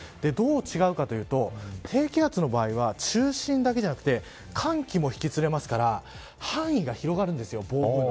どう違うかというと低気圧の場合は中心だけでなくて寒気も引きつれますから範囲が広がるんです。